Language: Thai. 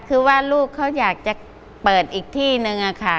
คือว่าลูกเขาอยากจะเปิดอีกที่นึงอะค่ะ